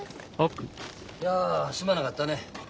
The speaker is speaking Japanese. いやすまなかったね。